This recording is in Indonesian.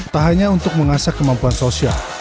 tak hanya untuk mengasah kemampuan sosial